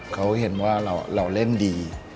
เขาเห็นว่าเราเล่นดี